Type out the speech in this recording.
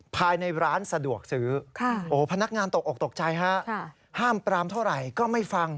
ภายในร้านสะดวกซื้อพนักงานตกออกตกใจฮะห้ามปรามเท่าไหร่ก็ไม่ฟัง